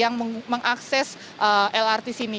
untuk mengakses lrt di sini